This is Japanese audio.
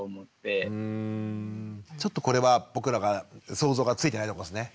ちょっとこれは僕らが想像がついてないとこですね。